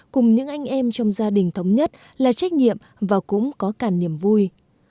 cùng những anh em trong gia đình thống nhất là trách nhiệm và cũng có cả niềm vui